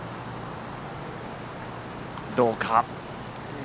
どうか。